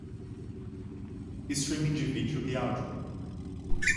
Streaming de vídeo e áudio